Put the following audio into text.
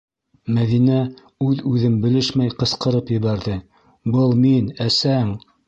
Мәҙинә үҙ-үҙен белешмәй ҡысҡырып ебәрҙе: «Был мин - әсәң!»